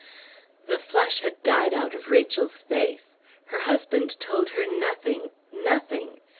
The flush had died out of Rachel's face. Her husband told her nothing nothing!